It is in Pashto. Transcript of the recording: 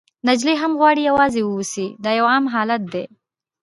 نجلۍ هم غواړي یوازې واوسي، دا یو عام حالت دی.